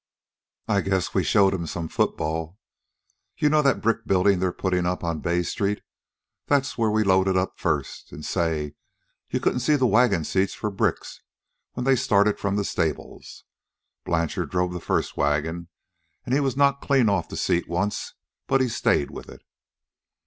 I guess we showed 'em some football. You know that brick buildin' they're puttin' up on Bay street? That's where we loaded up first, an', say, you couldn't see the wagon seats for bricks when they started from the stables. Blanchard drove the first wagon, an' he was knocked clean off the seat once, but he stayed with it."